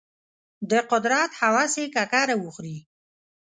د قدرت هوس یې ککره وخوري.